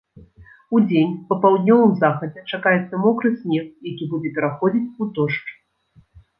Удзень па паўднёвым захадзе чакаецца мокры снег, які будзе пераходзіць у дождж.